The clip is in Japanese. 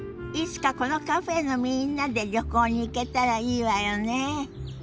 いつかこのカフェのみんなで旅行に行けたらいいわよね。